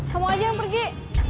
kamu aja yang pergi